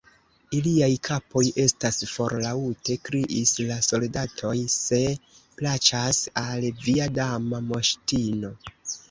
"Iliaj kapoj estas for " laŭte kriis la soldatoj "se plaĉas al via Dama Moŝtino."